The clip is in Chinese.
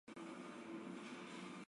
故事由一场足球队的考试开始。